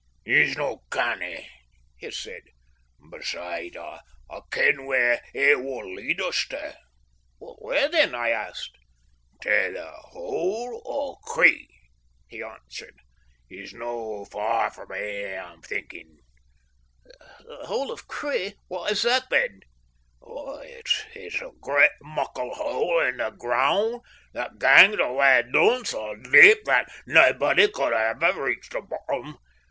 "It's no' canny," he said, "besides I ken where it will lead us tae." "Where, then?" I asked. "Tae the Hole o' Cree," he answered. "It's no far frae here, I'm thinking." "The Hole of Cree! What is that, then?" "It's a great, muckle hole in the ground that gangs awa' doon so deep that naebody could ever reach the bottom.